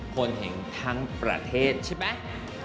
คนเห็นทั้งประเทศใช่ไหม